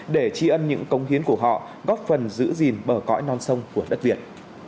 để tri ân những công hiến của họ góp phần giữ gìn bờ cõi non sông của đất việt